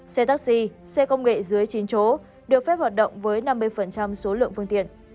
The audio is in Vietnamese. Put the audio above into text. xe taxi xe công nghệ dưới chín chỗ được phép hoạt động với năm mươi số lượng phương tiện